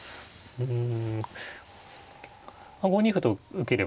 うん。